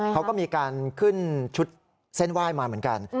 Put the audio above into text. เขาก็มีการขึ้นชุดเส้นไหว้มาเหมือนกัน